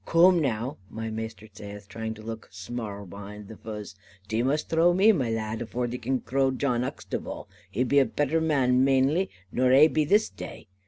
"'Coom now,' my maister zaith, trying to look smarl behaind the fuzz, 'thee must throw me, my lad, avore thee can throw Jan Uxtable. He be a better man mainly nor ai be this dai.